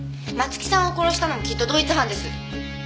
松木さんを殺したのもきっと同一犯です。